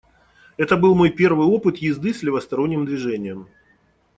Это был мой первый опыт езды с левосторонним движением.